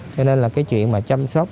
cho nên là cái chuyện mà chăm sóc